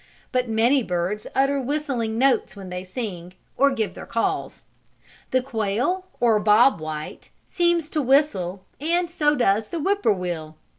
But many birds utter whistling notes when they sing, or give their calls. The quail, or Bob White, seems to whistle, and so does the Whip poor will.